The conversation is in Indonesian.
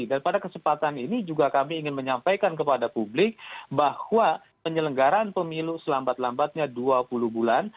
dan pada kesempatan ini juga kami ingin menyampaikan kepada publik bahwa penyelenggaraan pemilu selambat lambatnya dua puluh bulan